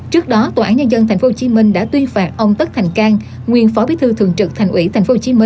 trước đó tòa án nhân dân tp hcm đã tuyên phạt ông tất thành cang nguyên phó bí thư thường trực thành ủy tp hcm